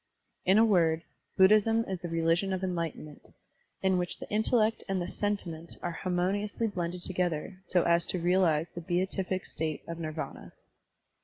In a word. Buddhism is the religion of enlightenment, in which the intellect and the sentiment are harmoniously blended together so as to realize the beatific state of Nirvana.